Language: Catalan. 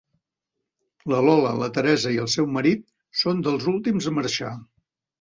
La Lola, la Teresa i el seu marit són dels últims a marxar.